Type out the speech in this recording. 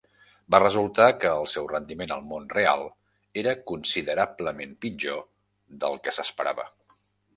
Va resultar que el seu rendiment al "món real" era considerablement pitjor del que s'esperava.